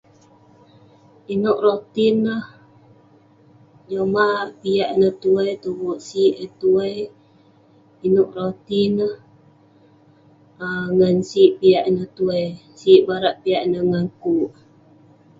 Inouk roti neh, jin mah piak ineh tuai, tuvuk sik eh tuai. Inouk roti neh. um Ngan sik piak ineh tuai, sik barak piak ineh ngan kuk.